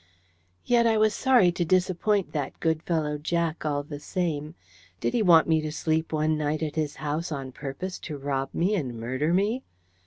Yet I was sorry to disappoint that good fellow, Jack, all the same. Did he want me to sleep one night at his house on purpose to rob me and murder me?